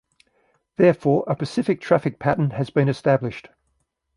Therefore, a specific traffic pattern has been established.